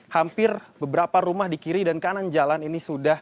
hampir beberapa rumah di kiri dan kanan jalan ini sudah